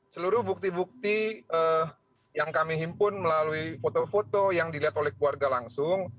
seluruh bukti bukti yang kami himpun melalui foto foto yang dilihat oleh keluarga langsung